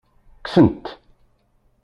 Kksen-t.